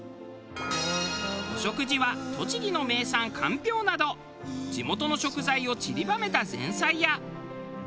お食事は栃木の名産かんぴょうなど地元の食材をちりばめた前菜や。